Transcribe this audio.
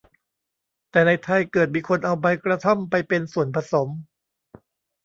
แต่ในไทยเกิดมีคนเอาใบกระท่อมไปเป็นส่วนผสม